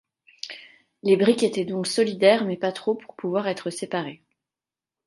Les briques étaient donc solidaires mais pas trop pour pouvoir être séparées.